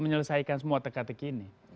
menyelesaikan semua tekat tekir ini